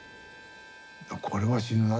これは死ぬな